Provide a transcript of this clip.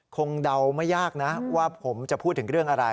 เดาไม่ยากนะว่าผมจะพูดถึงเรื่องอะไร